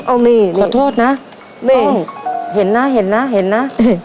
เอานี่ขอโทษนะแม่เห็นนะเห็นนะเห็นนะ